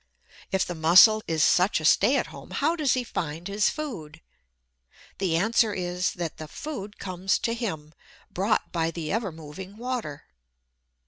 If the Mussel is such a stay at home, how does he find his food? The answer is, that the food comes to him, brought by the ever moving water.